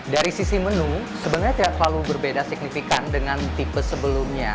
dari sisi menu sebenarnya tidak terlalu berbeda signifikan dengan tipe sebelumnya